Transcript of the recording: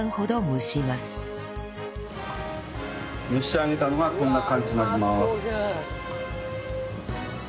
蒸し上げたのがこんな感じになります。